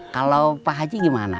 kalau pak haji gimana